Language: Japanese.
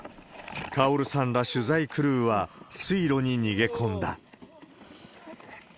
カオルさんら取材クルーは水路に逃げ込んだ。